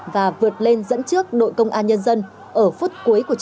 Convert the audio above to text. và vượt lên dẫn trước đội công an nhân dân ở phút một mươi bảy